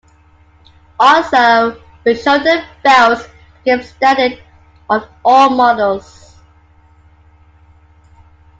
Also, rear shoulder belts became standard on all models.